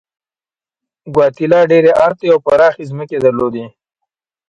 ګواتیلا ډېرې ارتې او پراخې ځمکې درلودلې.